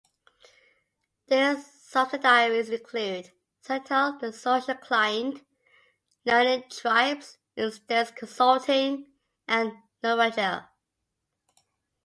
Their subsidiaries include: Sitel, The Social Client, Learning Tribes, Extens Consulting and Novagile.